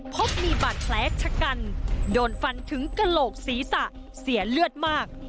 พบมีบาดแผลชะกันโดนฟันถึงกระโหลกศีรษะเสียเลือดมาก